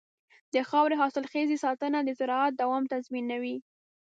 د خاورې حاصلخېزۍ ساتنه د زراعت دوام تضمینوي.